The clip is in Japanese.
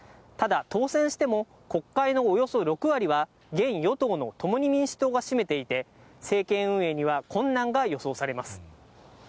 ただ、当選しても、国会のおよそ６割は、現与党の共に民主党が占めていて、政権運営には困難が予想されます。